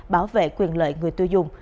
bảo vệ quyền lợi người tiêu dùng